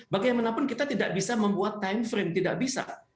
bagaimanapun kita tidak bisa membuat time frame tidak bisa